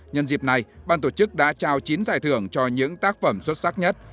nhân dịp này ban tổ chức đã trao chín giải thưởng cho những tác phẩm xuất sắc nhất